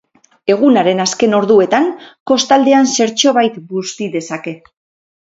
Egunaren azken orduetan kostaldean zertxobait busti dezake.